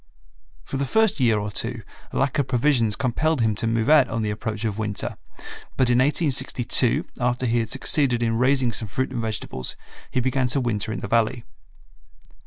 For the first year or two lack of provisions compelled him to move out on the approach of winter, but in 1862 after he had succeeded in raising some fruit and vegetables he began to winter in the Valley.